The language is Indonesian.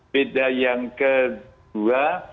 beda yang kedua